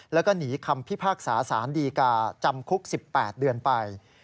แล้วก็หนีคำพิพากษาสารดีกาจำคุก๑๘เดือนไป